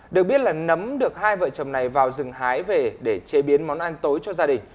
được biết là nấm được hai vợ chồng này vào rừng hái về để chế biến món ăn tối cho gia đình